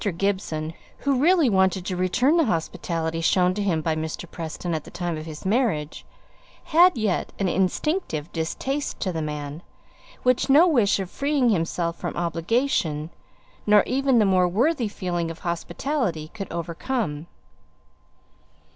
Gibson, who really wanted to return the hospitality shown to him by Mr. Preston at the time of his marriage, had yet an instinctive distaste to the man, which no wish of freeing himself from obligation, nor even the more worthy feeling of hospitality, could overcome.